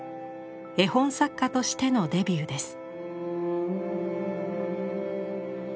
絵本作家としてのデビューです。